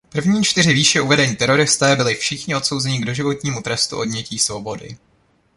První čtyři výše uvedení teroristé byli všichni odsouzeni k doživotnímu trestu odnětí svobody.